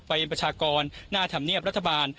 ประชากรหน้าธรรมเนียบรัฐบาล